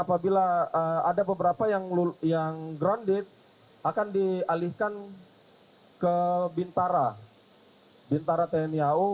apabila ada beberapa yang grounded akan dialihkan ke bintara tni au